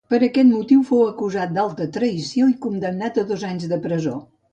Per aquest motiu, fou acusat d'alta traïció i condemnat a dos anys de presó.